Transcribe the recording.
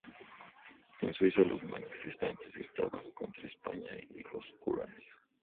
En Suiza los manifestantes gritaban contra "España y los curas".